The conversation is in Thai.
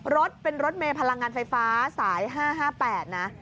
รถเป็นรถเมย์พลังงานไฟฟ้าสาย๕๕๘นะ